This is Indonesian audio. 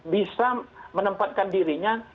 bisa menempatkan dirinya